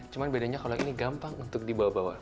cuma bedanya kalau ini gampang untuk dibawa bawa